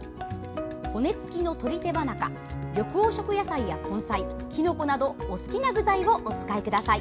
骨付きの鶏手羽中緑黄色野菜や根菜、きのこなどお好きな具材をお使いください。